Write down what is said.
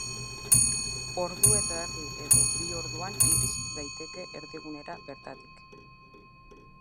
Ordu eta erdi edo bi orduan irits daiteke erdigunera bertatik.